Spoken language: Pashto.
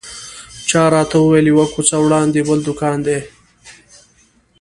چا راته وویل یوه کوڅه وړاندې بل دوکان دی.